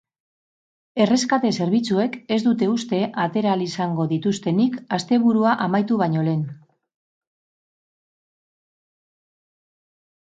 Erreskate zerbitzuek ez dute uste atera ahal izango dituztenik asteburua amaitu baino lehen.